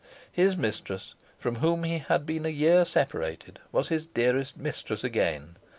His mistress, from whom he had been a year separated, was his dearest mistress again.